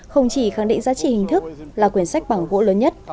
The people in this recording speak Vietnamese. không chỉ khẳng định giá trị hình thức là quyển sách bảng vũ lớn nhất